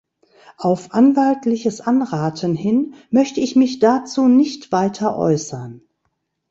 Auf anwaltliches Anraten hin möchte ich mich dazu nicht weiter äußern.